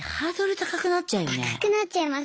高くなっちゃいます。